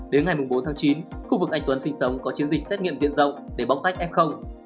đến ngày bốn tháng chín khu vực anh tuấn sinh sống có chiến dịch xét nghiệm diện rộng để bóc tách f